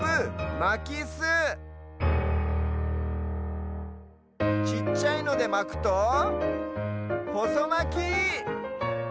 まきすちっちゃいのでまくとほそまき！